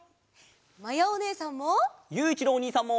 まやおねえさんも。